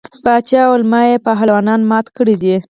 باچا ویل ما یې پهلوانان مات کړي دي.